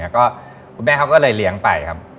ก็คุณแม่เขาก็เลยเลี้ยงไปครับ